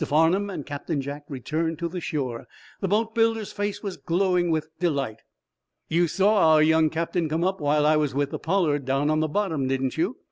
Farnum and Captain Jack returned to the shore. The boatbuilder's face was glowing with delight. "You saw our young captain come up while I was with the 'Pollard' down on the bottom, didn't you?"